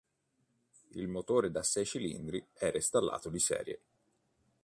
Il motore da sei cilindri era installato di serie.